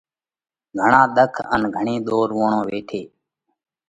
گھڻا ۮک ان گھڻئِي ۮورووڻ ويٺئِي۔